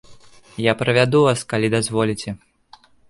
Я правяду вас, калі дазволіце.